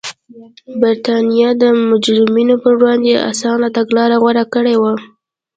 برېټانیا د مجرمینو پر وړاندې اسانه تګلاره غوره کړې وه.